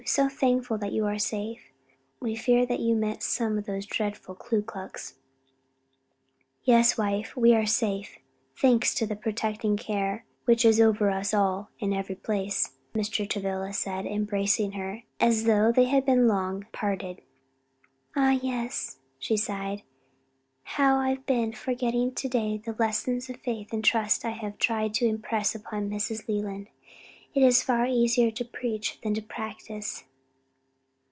so thankful that you are safe. We feared you had met some of those dreadful Ku Klux." "Yes, little wife, we are safe, thanks to the protecting care which is over us all in every place," Mr. Travilla said, embracing her as though they had been long parted. "Ah yes," she sighed, "how I have been forgetting to day the lessons of faith and trust I have tried to impress upon Mrs. Leland. It is far easier to preach than to practice."